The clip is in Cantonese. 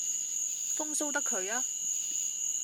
風騷得佢吖